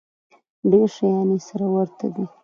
ډېر شیان یې سره ورته دي.